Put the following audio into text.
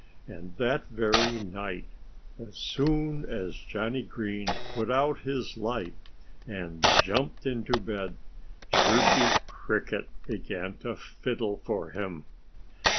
And that very night, as soon as Johnnie Green put out his light and jumped into bed, Chirpy Cricket began to fiddle for him.